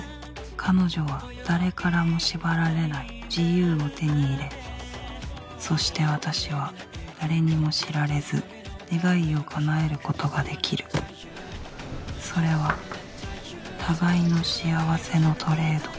彼女は誰からも縛られない自由を手に入れそして私は誰にも知られず願いを叶えることができるそれは互いの幸せのトレード